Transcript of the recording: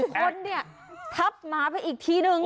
คนเนี่ยทับหมาไปอีกทีนึง